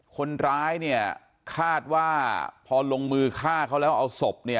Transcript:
คนร้ายเนี่ยคาดว่าพอลงมือฆ่าเขาแล้วเอาศพเนี่ย